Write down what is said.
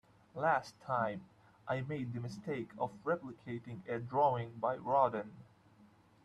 Last time, I made the mistake of replicating a drawing by Rodin.